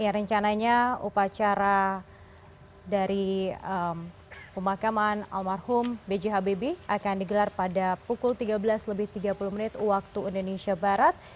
rencananya upacara dari pemakaman almarhum bghbb akan digelar pada pukul tiga belas tiga puluh waktu indonesia barat